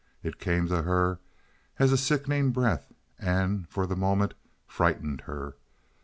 It came to her as a sickening breath and for the moment frightened her.